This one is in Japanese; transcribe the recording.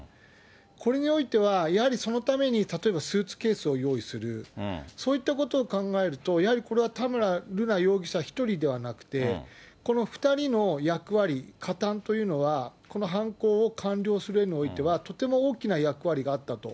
これにおいては、やはりそのために、例えばスーツケースを用意する、そういったことを考えると、やはりこれは田村瑠奈容疑者１人ではなくて、この２人の役割、加担というのはこの犯行を完了するにおいては、とても大きな役割があったと。